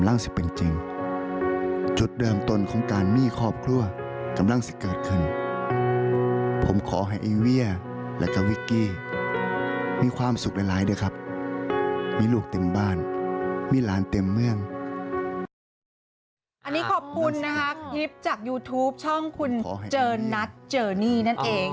อันนี้ขอบคุณนะคะคลิปจากยูทูปช่องคุณเจอนัทเจอนี่นั่นเอง